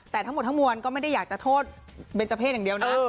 แต่ทั้งหมดทั้งมวลก็ไม่ได้อยากจะโทษเบนเจอร์เพศอย่างเดียวนะ